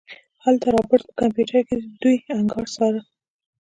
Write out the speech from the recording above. هلته رابرټ په کمپيوټر کې د دوئ انګړ څاره.